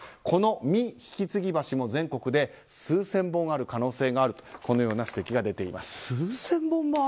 この未引き継ぎ橋も全国で数千本ある可能性もあるとこのような指摘が出ています。